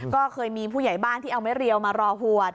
ก็เคยมีผู้ใหญ่บ้านที่เอาไม่เรียวมารอหวด